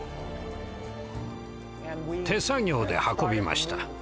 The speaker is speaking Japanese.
手作業で運びました。